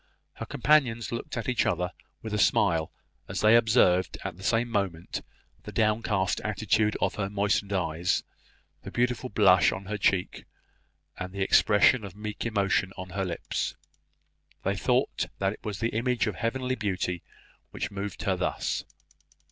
Her companions looked at each other with a smile as they observed at the same moment the downcast attitude of her moistened eyes, the beautiful blush on her cheek, and the expression of meek emotion on her lips. They thought that it was the image of heavenly beauty which moved her thus.